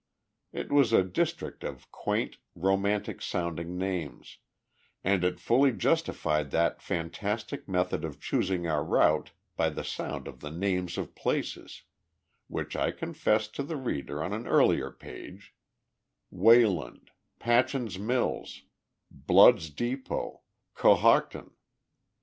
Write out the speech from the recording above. It was a district of quaint, romantic sounding names, and it fully justified that fantastic method of choosing our route by the sound of the names of places, which I confessed to the reader on an earlier page: Wayland Patchin's Mills Blood's Depôt Cohocton.